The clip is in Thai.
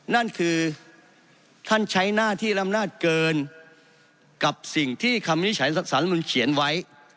นั่นคือท่านใช้หน้าที่ลำนาจเกินกับสิ่งที่คำวินิจฉัยสารรัฐมนุนเขียนไว้